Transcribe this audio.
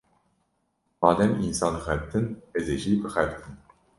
Madem însan dixebitin, ez ê jî bixebitim.